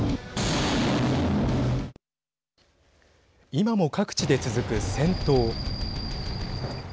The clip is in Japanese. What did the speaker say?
今も各地で続く戦闘。